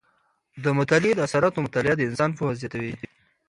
د مطالعې د اثراتو مطالعه د انسان پوهه زیاته وي.